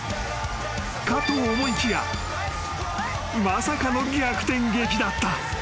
［かと思いきやまさかの逆転劇だった］